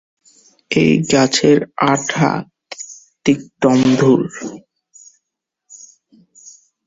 এই গাছের আঠা তিক্তমধুর।